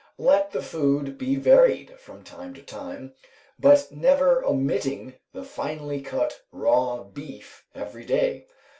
Let the food be varied from time to time, but never omitting the finely cut raw beef every day.